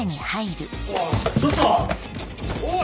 おいちょっとおい！